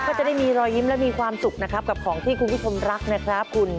ก็จะได้มีรอยยิ้มและมีความสุขนะครับกับของที่คุณผู้ชมรักนะครับคุณ